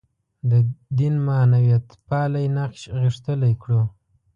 د دین معنویتپالی نقش غښتلی کړو.